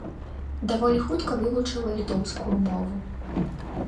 Даволі хутка вывучыла літоўскую мову.